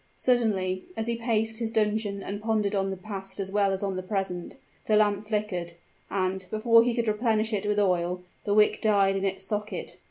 Suddenly, as he paced his dungeon and pondered on the past as well as on the present, the lamp flickered; and, before he could replenish it with oil, the wick died in its socket.